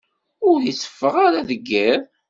Ur iteffeɣ ara deg yiḍ.